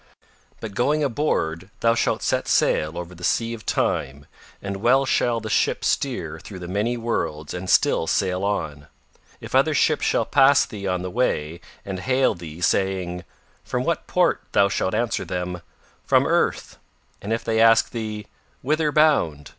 But going aboard thou shalt set sail over the Sea of Time and well shall the ship steer through the many worlds and still sail on. If other ships shall pass thee on the way and hail thee saying: 'From what port' thou shalt answer them: 'From Earth.' And if they ask thee 'whither bound?